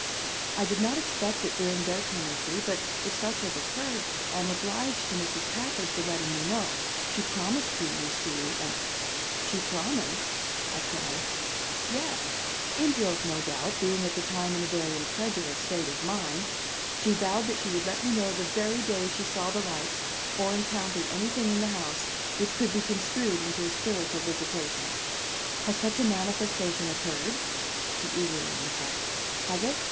"I did not expect it during their tenantry, but if such has occurred, I am obliged to Mrs. Packard for letting me know. She promised to, you see, and " "She promised!" I cried. "Yes; in joke no doubt, being at the time in a very incredulous state of mind. She vowed that she would let me know the very day she saw the lights or encountered anything in the house, which could be construed into a spiritual visitation. Has such a manifestation occurred?" he eagerly inquired. "Has it?